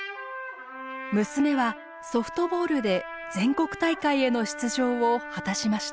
娘はソフトボールで全国大会への出場を果たしました。